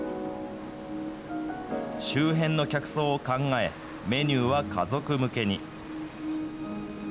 周辺の客層を考え、メニューは家族向けに。